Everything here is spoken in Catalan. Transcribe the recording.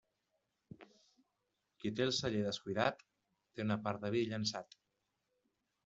Qui té el celler descuidat té una part de vi llençat.